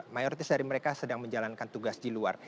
mayoritas dari mereka sedang menjalankan tugas di luar